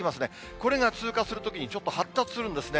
これが通過するときに、ちょっと発達するんですね。